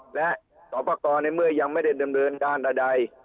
และสอบประกอบในเมื่อยังไม่ได้ดำเนินการใด